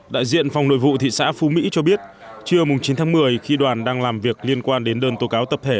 đại diện phòng nội vụ thị xã phú mỹ cho biết trưa chín tháng một mươi khi đoàn đang làm việc liên quan đến đơn tố cáo tập thể